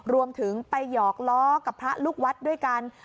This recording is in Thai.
รวมถึงไปหยอกล้อกับพระลูกวัดด้วยกัน